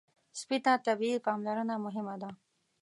سپي ته طبي پاملرنه مهمه ده.